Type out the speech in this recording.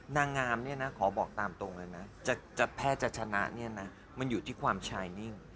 นางงามเนี่ยนะขอบอกตามตรงเลยนะแพทย์จะชนะเนี่ยนะมันอยู่ที่ความชายนิ่ง